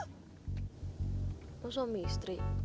kamu suami istri